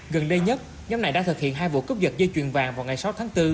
gần đây nhất nhóm này đã thực hiện hai vụ cướp giật dây chuyền vàng vào ngày sáu tháng bốn